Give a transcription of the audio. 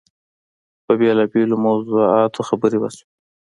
په بېلابېلو موضوعاتو خبرې وشوې.